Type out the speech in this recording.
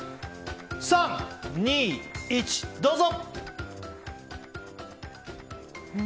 ３、２、１、どうぞ！